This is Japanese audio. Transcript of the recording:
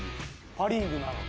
パ・リーグなのに？